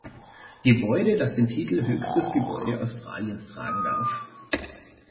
Gebäude, das den Titel „höchstes Gebäude Australiens“ tragen darf.